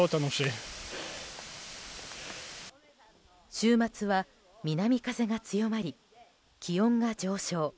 週末は南風が強まり気温が上昇。